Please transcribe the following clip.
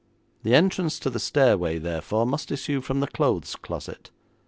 The entrance to the stairway, therefore, must issue from the clothes closet.